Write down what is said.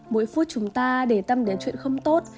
mỗi phút chúng ta để tâm đến chuyện không tốt